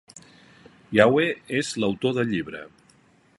Yahweh és l'autor del llibre.